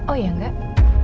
oh ya enggak